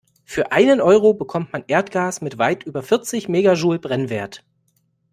Für einen Euro bekommt man Erdgas mit weit über vierzig Megajoule Brennwert.